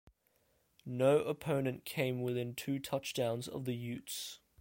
No opponent came within two touchdowns of the Utes.